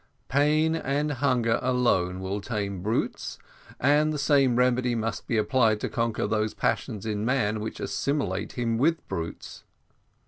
Pain and hunger alone will tame brutes, and the same remedy must be applied to conquer those passions in man which assimilate him with brutes.